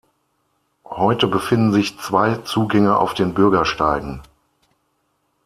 Heute befinden sich zwei Zugänge auf den Bürgersteigen.